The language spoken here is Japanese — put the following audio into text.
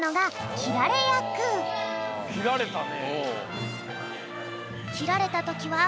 きられたね。